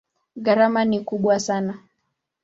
Gharama ni kubwa sana.